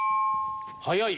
早い。